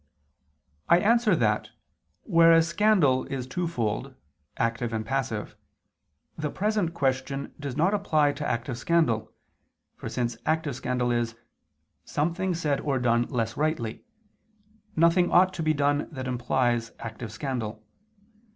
I answer that, Whereas scandal is twofold, active and passive, the present question does not apply to active scandal, for since active scandal is "something said or done less rightly," nothing ought to be done that implies active scandal.